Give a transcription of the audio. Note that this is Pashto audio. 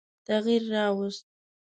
تغییر را ووست.